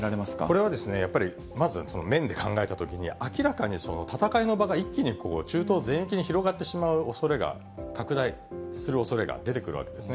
これはやっぱり、まず面で考えたときに、明らかに戦いの場が一気に中東全域に広がってしまうおそれが、拡大するおそれが出てくるわけですね。